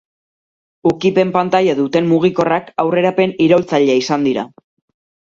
Ukipen-pantaila duten mugikorrak aurrerapen iraultzailea izan dira.